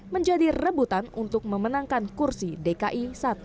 menjadi rebutan untuk memenangkan kursi dki satu